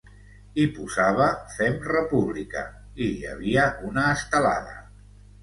Hi posava ‘Fem República’ i hi havia una estelada.